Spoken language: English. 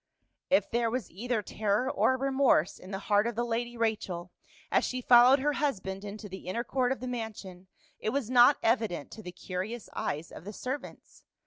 If there was either terror or remorse in the heart of the lady Rachel as she followed her husband into the inner court of the mansion, it was not evident to the curious eyes of the servants.